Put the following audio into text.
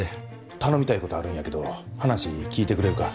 頼みたいことあるんやけど話聞いてくれるか？